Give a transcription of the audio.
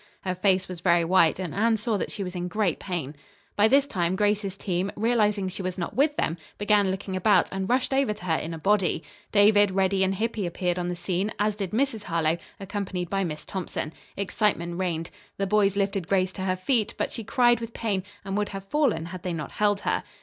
Her face was very white, and Anne saw that she was in great pain. By this time Grace's team, realizing she was not with them, began looking about, and rushed over to her in a body. David, Reddy and Hippy appeared on the scene, as did Mrs. Harlowe, accompanied by Miss Thompson. Excitement reigned. The boys lifted Grace to her feet; but she cried with pain and would have fallen had they not held her.